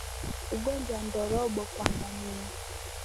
Ugonjwa wa ndorobo kwa ngamia